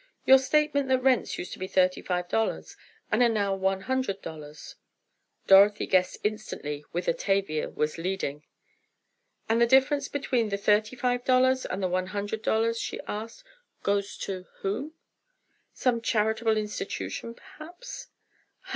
"Your statement that rents used to be thirty five dollars, and are now one hundred dollars." Dorothy guessed instantly whither Tavia was leading. "And the difference between the thirty five dollars and the one hundred dollars," she asked, "goes to whom? Some charitable institution perhaps?" "Ha!